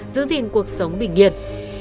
giữ gìn cuộc sống bình yên